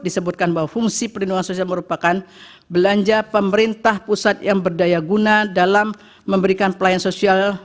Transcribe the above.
disebutkan bahwa fungsi perlindungan sosial merupakan belanja pemerintah pusat yang berdaya guna dalam memberikan pelayanan sosial